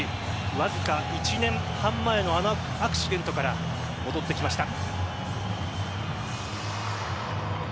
わずか１年半前のあのアクシデントから戻ってきました。